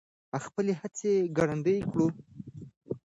خپلې هڅې ګړندۍ کړو.